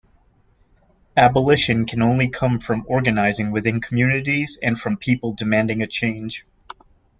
Abolition can only come from organizing within communities and from people demanding a change.